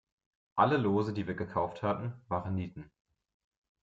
Alle Lose, die wir gekauft hatten, waren Nieten.